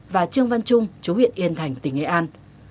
và trương văn trung chú huyện yên thành tỉnh nghệ an